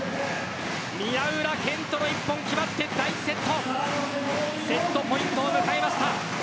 宮浦健人の１本、決まって第１セットセットポイントを迎えました。